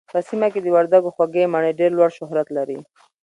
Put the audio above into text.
په سيمه کې د وردګو خوږې مڼې ډېر لوړ شهرت لري